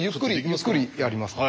ゆっくりやりますね。